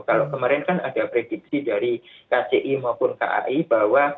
kalau kemarin kan ada prediksi dari kci maupun kai bahwa